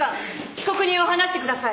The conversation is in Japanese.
被告人をはなしてください。